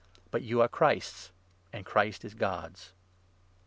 But you are Christ's and Christ is God's.